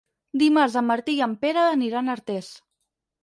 Dimarts en Martí i en Pere aniran a Artés.